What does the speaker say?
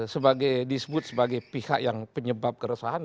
sebagai disebut sebagai pihak yang penyebab keresahan